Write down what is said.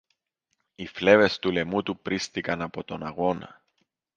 οι φλέβες του λαιμού του πρήστηκαν από τον αγώνα.